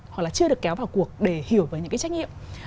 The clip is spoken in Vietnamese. hoặc là chưa được kéo vào cuộc để hiểu về những cái trách nhiệm